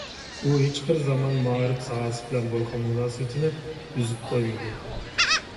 ئۇ ھېچبىر زامان مائارىپ ساھەسى بىلەن بولغان مۇناسىۋىتىنى ئۈزۈپ قويمىدى.